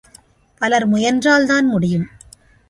பலர் முயன்றால் தான் முடியும்.